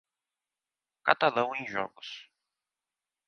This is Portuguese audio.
Catalão em jogos.